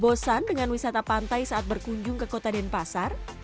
bosan dengan wisata pantai saat berkunjung ke kota denpasar